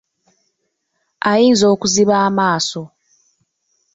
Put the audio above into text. Ayinza okuziba amaaso.